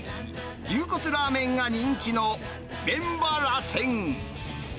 牛骨ラーメンが人気の麺場らせん。